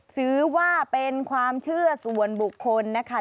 ถือว่าเป็นความเชื่อส่วนบุคคลนะคะ